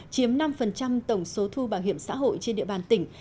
chiếm năm tổng số thu bảo hiểm xã hội trên địa bàn tỉnh